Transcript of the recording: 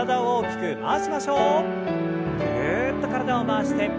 ぐるっと体を回して。